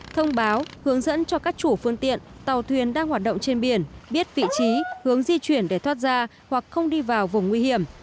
thông báo hướng dẫn cho các chủ phương tiện tàu thuyền đang hoạt động trên biển biết vị trí hướng di chuyển để thoát ra hoặc không đi vào vùng nguy hiểm